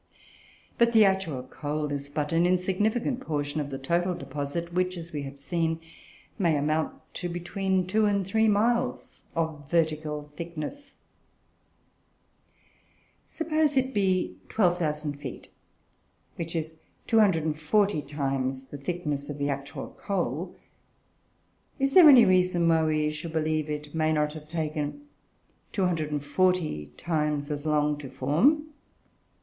But the actual coal is but an insignificant portion of the total deposit, which, as has been seen, may amount to between two and three miles of vertical thickness. Suppose it be 12,000 feet which is 240 times the thickness of the actual coal is there any reason why we should believe it may not have taken 240 times as long to form?